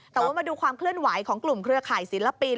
แต่ว่ามาดูความเคลื่อนไหวของกลุ่มเครือข่ายศิลปิน